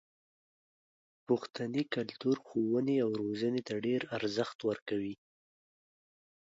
پښتني کلتور ښوونې او روزنې ته ډېر ارزښت ورکوي.